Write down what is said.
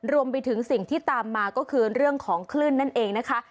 รวมไปถึงสิ่งที่ตามมาก็คือเรื่องของคลื่นนั่นเองนะคะ